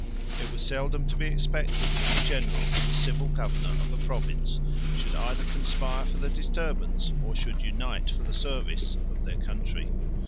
It was seldom to be expected that the general and the civil governor of a province should either conspire for the disturbance, or should unite for the service, of their country.